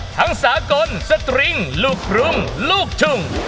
ทั้งสากลสตริงลูกลุ้มลูกทุ่ง